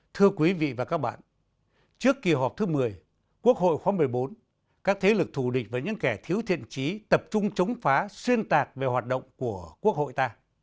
thưa quý vị và các bạn trước kỳ họp thứ một mươi quốc hội khóa một mươi bốn các thế lực thù địch và những kẻ thiếu thiện trí tập trung chống phá xuyên tạc về hoạt động của quốc hội ta